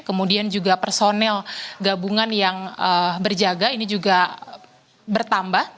kemudian juga personel gabungan yang berjaga ini juga bertambah